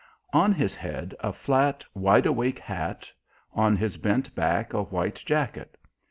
On his head a flat "wide awake" hat, on his bent back a white jacket.